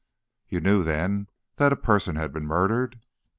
"You knew, then, that a person had been murdered?"